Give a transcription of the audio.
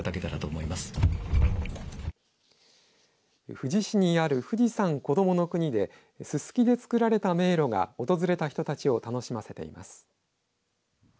富士市にある富士山こどもの国でススキで作られた迷路が訪れた人たちを楽しませています。